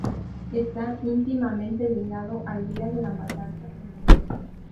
Está íntimamente ligado al día de la matanza en invierno.